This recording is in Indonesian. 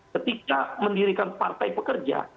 ketika mendirikan partai pekerja